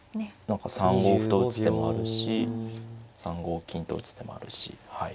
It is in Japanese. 何か３五歩と打つ手もあるし３五金と打つ手もあるし。